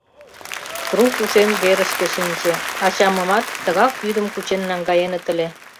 Трук ушем верышке шинче: ачамымат тыгак йӱдым кучен наҥгаеныт ыле...